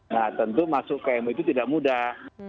nah tentu masuk ke mui itu tidak mudah